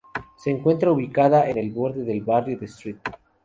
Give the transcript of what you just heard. Se encuentra ubicada en el borde sur del barrio de St.